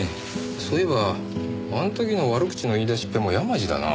そういえばあの時の悪口の言い出しっぺも山路だな。